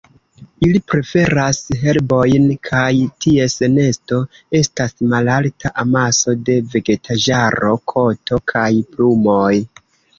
Ili preferas herbojn, kaj ties nesto estas malalta amaso de vegetaĵaro, koto kaj plumoj.